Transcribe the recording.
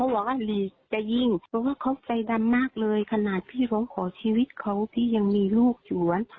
เพราะว่าเขาใจดำมากเลยขนาดที่ร้องขอชีวิตเขาที่ยังมีลูกอยู่